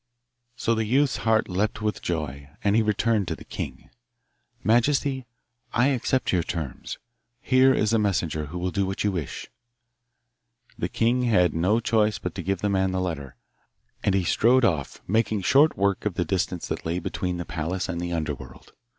So the youth's heard leapt for joy, and he returned to the king. 'Majesty, I accept your terms. HEre is the messenger who will do what you wish.' The king had no choice but to give the man the letter, and he strode off, making short work of the distance that lay between the palace and the Underworld.